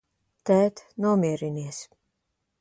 Tēt, nomierinies!